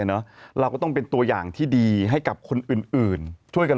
เนอะเราก็ต้องเป็นตัวอย่างที่ดีให้กับคนอื่นช่วยกัน